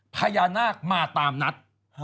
พญานาคมาตามนัด